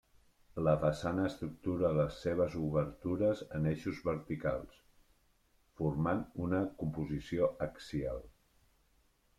La façana estructura les seves obertures en eixos verticals, formant una composició axial.